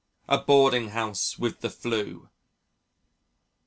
A boarding house with the 'flue!